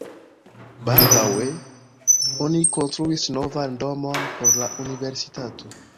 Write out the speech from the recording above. Baldaŭe oni konstruis novan domon por la universitato.